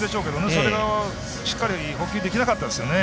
それがしっかり捕球できなかったんですね。